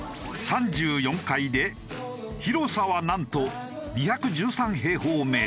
３４階で広さはなんと２１３平方メートル。